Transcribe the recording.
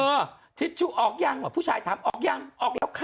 ทิชชูออกยังว่ะผู้ชายถามออกยังออกแล้วค่ะ